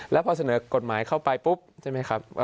แล้วพอเสนอกฎหมายเข้าไปปุ๊บใช่ไหมครับ